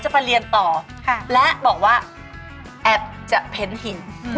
ไม่ใช่